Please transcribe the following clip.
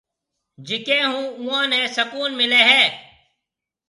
جڪي اوئون نيَ سُڪون مليَ هيَ